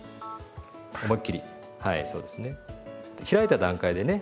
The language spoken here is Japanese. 開いた段階でね